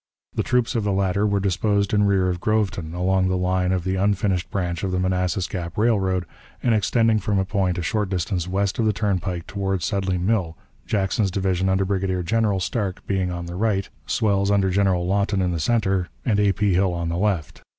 The troops of the latter were disposed in rear of Groveton, along the line of the unfinished branch of the Manassas Gap Railroad, and extending from a point a short distance west of the turnpike toward Sudley Mill, Jackson's division under Brigadier General Starke being on the right, Swell's under General Lawton in the center, and A. P. Hill on the left.